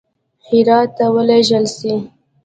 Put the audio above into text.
هرات ته ولېږل سي.